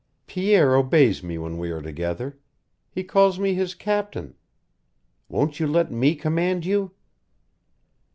Pierre obeys me when we are together. He calls me his captain. Won't you let me command you?"